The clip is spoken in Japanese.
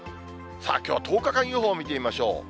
さあ、きょうは１０日間予報見てみましょう。